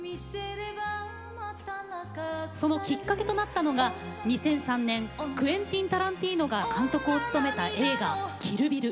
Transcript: そのきっかけとなったのが２００３年クエンティン・タランティーノが監督を務めた映画「キル・ビル」。